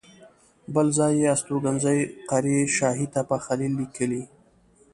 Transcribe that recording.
بل ځای یې استوګنځی قریه شاهي تپه خلیل لیکلی.